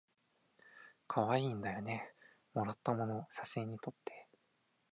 かわいいんだよねもらったもの写真にとって